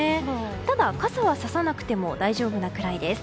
ただ、傘は差さなくても大丈夫なくらいです。